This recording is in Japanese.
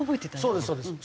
そうですそうです。